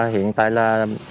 hiện tại là